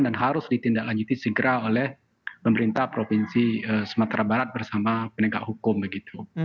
dan harus ditindaklanjuti segera oleh pemerintah provinsi sumatera barat bersama penegak hukum begitu